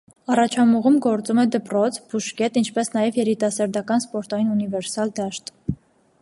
Առաջամուղում գործում է դպրոց, բուժկետ ինչպես նաև երիտասարդական սպորտային ունիվերսալ դաշտ։